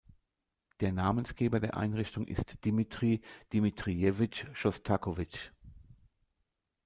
Der Namensgeber der Einrichtung ist Dmitri Dmitrijewitsch Schostakowitsch.